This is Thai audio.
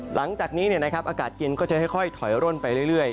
หลังจากนี้อากาศเย็นก็จะค่อยถอยร่นไปเรื่อย